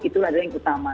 itu adalah yang utama